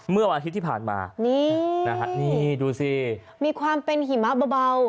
เมื่อวานอาทิตย์ที่ผ่านมานี่ดูสิมันมีความเป็นหิมะเบา